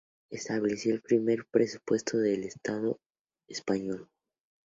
Estableció el primer presupuesto del Estado español.